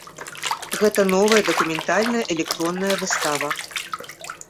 Гэта новая дакументальная электронная выстава.